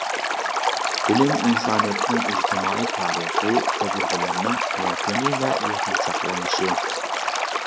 بىلىم ئىنسانىيەتنىڭ ئىجتىمائىي تارىخىي تەجرىبىلىرىنىڭ يەكۈنى ۋە يىغىنچاقلىنىشى.